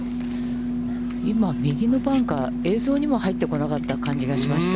今、右のバンカー、映像にも入ってこなかった感じがしました。